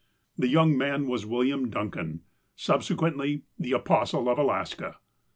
The young man was William Duncan, subsequently '' The Apostle of Alaska."